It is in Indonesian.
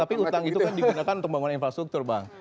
tapi utang itu kan digunakan untuk membangun infrastruktur bang